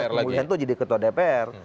proses pemulihan itu jadi ketua dpr